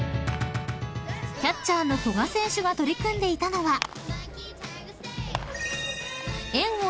［キャッチャーの古賀選手が取り組んでいたのは］